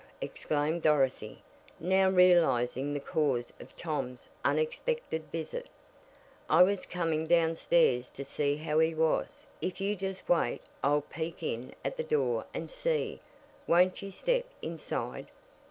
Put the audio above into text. exclaimed Dorothy, now realizing the cause of Tom's unexpected visit, "I was coming downstairs to see how he was. If you just wait I'll peek in at the door and see. Won't you step inside?"